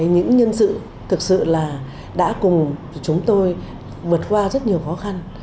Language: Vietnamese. những nhân sự thực sự là đã cùng chúng tôi vượt qua rất nhiều khó khăn